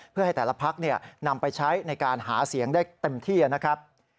เพื่อให้แต่ละพักนำไปใช้ในการหาเสียงได้เต็มที่นะครับ